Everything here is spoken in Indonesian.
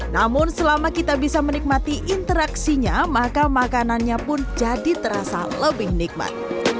namun selama kita bisa menikmati interaksinya maka makanannya pun jadi terasa lebih nikmat